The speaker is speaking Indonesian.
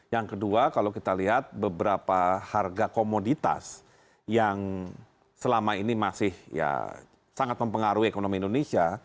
yang kedua kalau kita lihat beberapa harga komoditas yang selama ini masih ya sangat mempengaruhi ekonomi indonesia